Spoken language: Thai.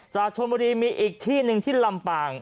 จากชนบุรีมีอีกที่หนึ่งที่ลำปาง